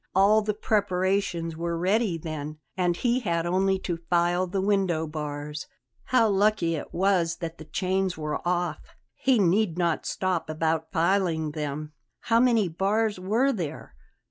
All the preparations were ready, then, and he had only to file the window bars; how lucky it was that the chains were off! He need not stop about filing them. How many bars were there?